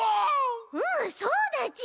うんそうだち！